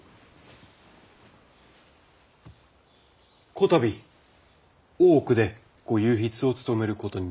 こたび大奥で御右筆を務めることになりました